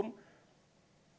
menurut pak ahok